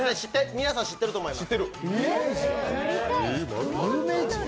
皆さん知ってると思います。